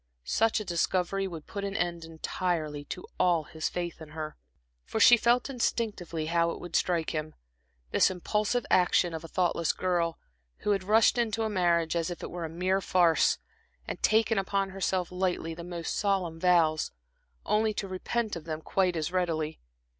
Such a discovery would put an end entirely to all his faith in her. For she felt instinctively how it would strike him this impulsive action of a thoughtless girl, who had rushed into marriage as if it were a mere farce, and taken upon herself, lightly, the most solemn vows, only to repent of them quite as readily.